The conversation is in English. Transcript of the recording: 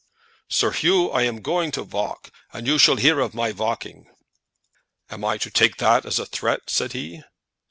"Sir 'Oo, I am going to valk, and you shall hear of my valking." "Am I to take that as a threat?" said he.